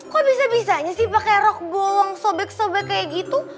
kok bisa bisanya sih pake rok bolong sobek sobek kayak gitu